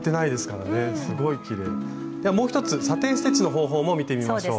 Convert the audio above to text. ではもう一つサテン・ステッチの方法も見てみましょう。